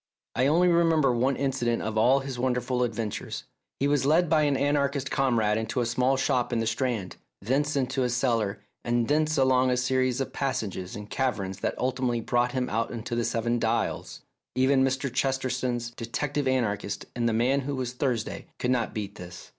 I only remember one incident of all his wonderful adventures. He was led by an anarchist comrade into a small shop in the Strand, thence into a 152 A SECRET SOCIETY 153 cellar, and thence along a series of passages and caverns that ultimately brought him out in Seven Dials ! Even Mr. Chesterton's detective anarchists in the "Man who was Thursday " could not beat this.